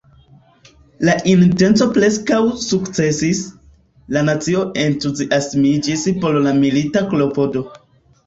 La intenco preskaŭ sukcesis: la nacio entuziasmiĝis por la milita klopodo.